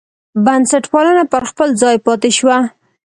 بنسټپالنه پر خپل ځای پاتې شوه.